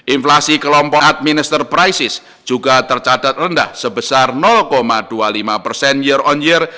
inflasi kelompok administer prices juga tercatat rendah sebesar dua puluh lima persen year on year